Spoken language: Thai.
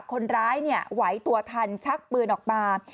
คนร้ายไหวตัวทันชักปืนออกมา